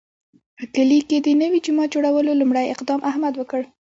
په کلي کې د نوي جومات جوړولو لومړی اقدام احمد وکړ.